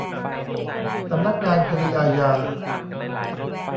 สำนักงานคดีอาญา